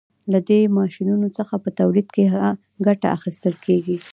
له دې ماشینونو څخه په تولید کې ګټه اخیستل کیږي.